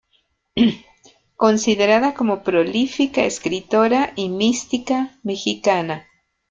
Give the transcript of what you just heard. Considerada como prolífica escritora y mística mexicana.